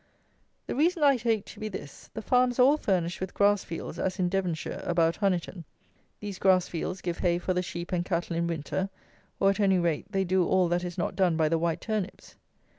The reason I take to be this: the farms are all furnished with grass fields as in Devonshire about Honiton. These grass fields give hay for the sheep and cattle in winter, or, at any rate, they do all that is not done by the white turnips.